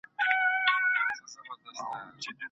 مینه او احترام د انسانانو ترمنځ اړیکي ساتي.